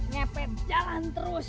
cepet jalan terus